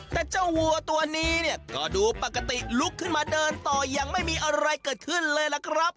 แต่เจ้าวัวตัวนี้เนี่ยก็ดูปกติลุกขึ้นมาเดินต่อยังไม่มีอะไรเกิดขึ้นเลยล่ะครับ